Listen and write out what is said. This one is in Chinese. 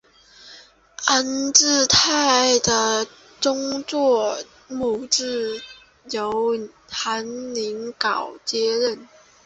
安治泰的宗座代牧职位由韩宁镐接任。